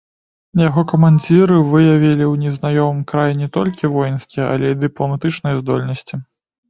Яго камандзіры выявілі ў незнаёмым краі не толькі воінскія, але і дыпламатычныя здольнасці.